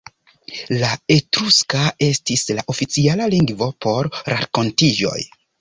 La Etruska estis la oficiala lingvo por renkontiĝoj.